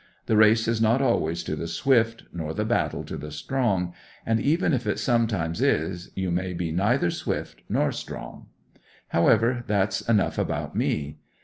The race is not always to the swift, nor the battle to the strong; and even if it sometimes is, you may be neither swift nor strong. However, that's enough about me.